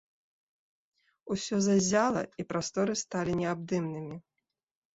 Усё заззяла, і прасторы сталі неабдымнымі.